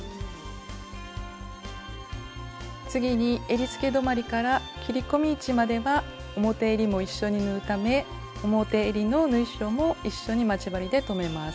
次にえりつけ止まりから切り込み位置までは表えりも一緒に縫うため表えりの縫い代も一緒に待ち針で留めます。